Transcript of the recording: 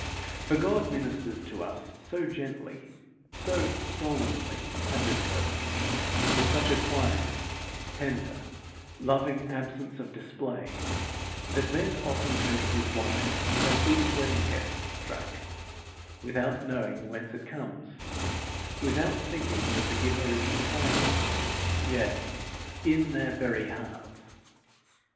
For God ministers to us so gently, so stolenly, as it were, with such a quiet, tender, loving absence of display, that men often drink of his wine, as these wedding guests drank, without knowing whence it comes without thinking that the giver is beside them, yea, in their very hearts.